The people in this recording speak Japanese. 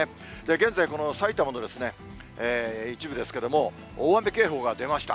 現在、この埼玉のですね、一部ですけども、大雨警報が出ました。